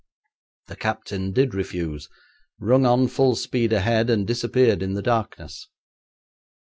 The captain did refuse, rung on full speed ahead, and disappeared in the darkness.